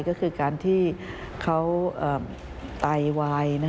ก็คือการที่เขาไตวาย